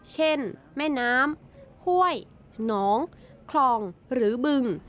เช่นแม่น้ำห้วยหนองคลองหรือบึง